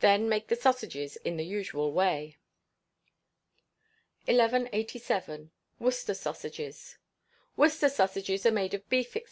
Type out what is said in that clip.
Then make the sausages in the usual way. 1187. Worcester Sausages. Worcester sausages are made of beef, &c.